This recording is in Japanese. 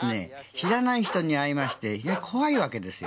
知らない人に会いまして非常に怖いわけですよ。